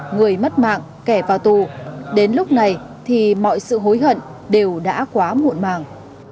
người mất mạng kẻ vào tù đến lúc này thì mọi sự hối hận đều đã quá muộn màng